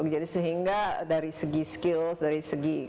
jadi sehingga dari segi skills dari segi kemampuan